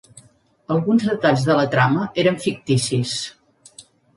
Alguns detalls de la trama eren ficticis.